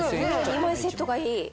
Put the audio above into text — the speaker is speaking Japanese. ２枚セットがいい。